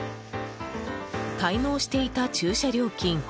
滞納していた駐車料金